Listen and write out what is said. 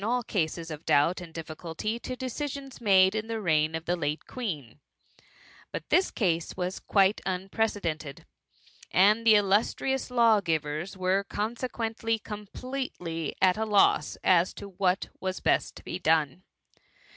all cases of doubt and difficulty to decisions made in the reign of the late Queen; but this case was quite unprecedented, and the illus trious lawgivers were consequently completely at a loss as to what was best to be done.